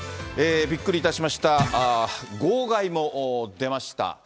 びっくりいたしました、号外も出ました。